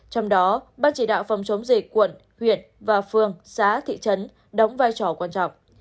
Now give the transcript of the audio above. trong đó ban chỉ đạo phòng chống dịch quận huyện và phường xã thị trấn đóng vai trò quan trọng